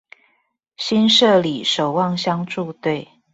新社里守望相助隊